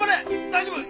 大丈夫！